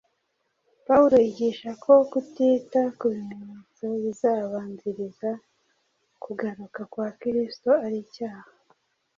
Pawulo yigisha ko kutita ku bimenyetso bizabanziriza kugaruka kwa Kristo ari icyaha.